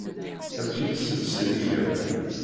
Amek i tt-tettsellikeḍ?